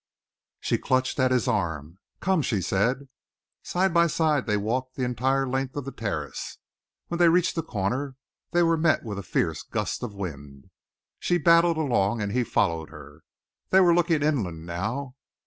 She clutched at his arm. "Come," she said. Side by side they walked the entire length of the terrace. When they reached the corner, they were met with a fierce gust of wind. She battled along, and he followed her. They were looking inland now.